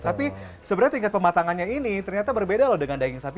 tapi sebenarnya tingkat pematangannya ini ternyata berbeda loh dengan daging sapi